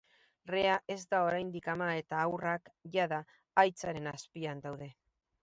Rhea ez da oraindik ama eta haurrak jada haitzaren azpian daude.